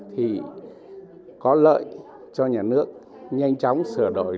thì có lợi cho nhà nước nhanh chóng sửa đổi